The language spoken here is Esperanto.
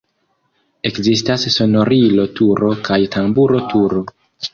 Ekzistas sonorilo-turo kaj tamburo-turo.